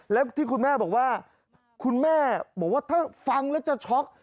แล้วที่คุณแม่บอกว่าคุณแม่บอกว่าถ้าฟังแล้วจะช็อก